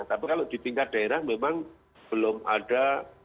tapi kalau di tingkat daerah memang belum ada